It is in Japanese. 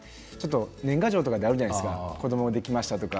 年賀状とかであるじゃないですか子どもができましたって。